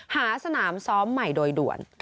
สนามซ้อมใหม่โดยด่วน